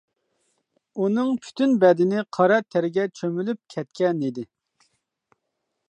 ئۇنىڭ پۈتۈن بەدىنى قارا تەرگە چۆمۈلۈپ كەتكەنىدى.